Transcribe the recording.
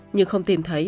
nhưng không tìm thấy